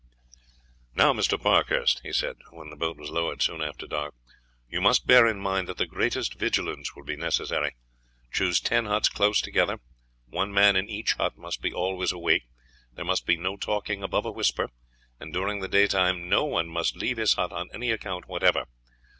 "Now, Mr. Parkhurst," he said, when the boat was lowered soon after dark, "you must bear in mind that the greatest vigilance will be necessary. Choose ten huts close together. One man in each hut must be always awake; there must be no talking above a whisper; and during the daytime no one must leave his hut on any account whatever.